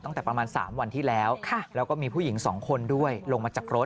ตั้งแต่ประมาณ๓วันที่แล้วแล้วก็มีผู้หญิง๒คนด้วยลงมาจากรถ